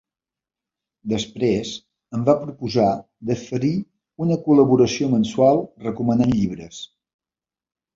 Després em va proposar de fer-hi una col·laboració mensual recomanant llibres.